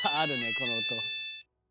この音。